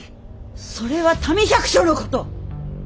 それは民百姓のこと！